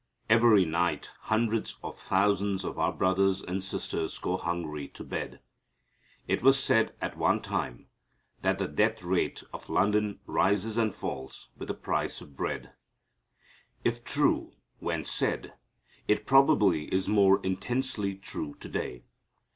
Every night hundreds of thousands of our brothers and sisters go hungry to bed. It was said at one time that the death rate of London rises and falls with the price of bread. If true when said it probably is more intensely true to day.